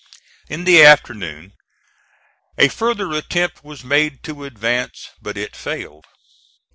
In the afternoon a further attempt was made to advance, but it failed.